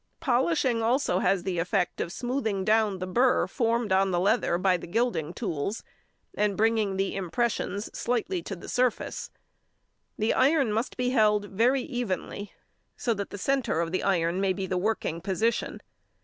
Polishing has also the effect of smoothing down the burr formed on the leather by the gilding tools, and bringing the impressions slightly to the surface. The iron must be held very evenly, so that the centre of the iron may be the working portion.